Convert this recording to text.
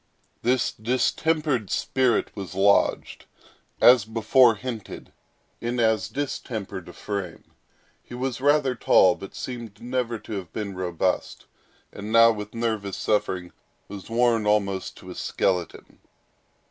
This distempered spirit was lodged, as before hinted, in as distempered a frame. He was rather tall, but seemed never to have been robust, and now with nervous suffering was almost worn to a skeleton.